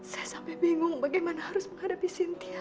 saya sampai bingung bagaimana harus menghadapi sintia